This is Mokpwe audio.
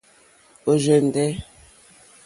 Ɔ̀rzɛ̀ndɛ́.